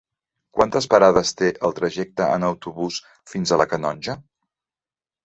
Quantes parades té el trajecte en autobús fins a la Canonja?